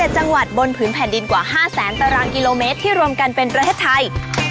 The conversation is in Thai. ๗จังหวัดบนผืนแผ่นดินกว่า๕แสนตารางกิโลเมตรที่รวมกันเป็นประเทศไทย